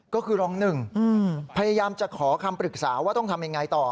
ก็คือรองหนึ่งพยายามจะขอคำปรึกษาว่าต้องทำยังไงต่อ